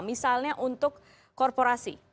misalnya untuk korporasi